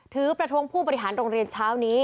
ถือประท้วงผู้อำนาจงานโรงเรียนเช้านี้